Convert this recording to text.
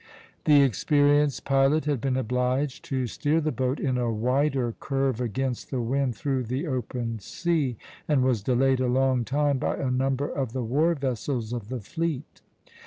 The experienced pilot had been obliged to steer the boat in a wider curve against the wind through the open sea, and was delayed a long time by a number of the war vessels of the fleet.